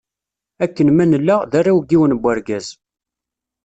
Akken ma nella, d arraw n yiwen n wergaz.